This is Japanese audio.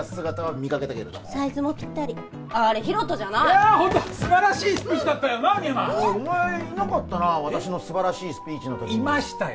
深山お前いなかったな私の素晴らしいスピーチの時いましたよ